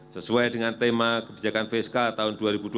sesuai dengan tema kebijakan fiskal tahun dua ribu dua puluh